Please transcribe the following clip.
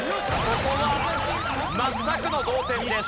ここは全くの同点です。